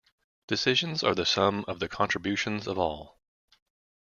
Decisions are the sum of the contributions of all.